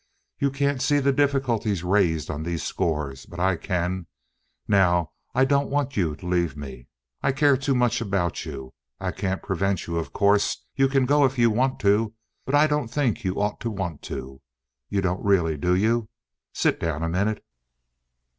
You can't see the difficulties raised on these scores, but I can. Now I don't want you to leave me. I care too much about you. I can't prevent you, of course. You can go if you want to. But I don't think you ought to want to. You don't really, do you? Sit down a minute."